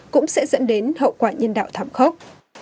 cũng sẽ dẫn đến hậu quả nhân đạo thảm khốc